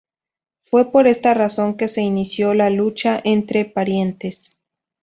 Fue por esta razón que se inició la Lucha entre Parientes.